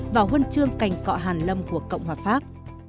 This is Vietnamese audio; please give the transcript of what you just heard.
và huân chương cành cọ hàn lâm của cộng hòa pháp